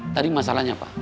tadi masalahnya apa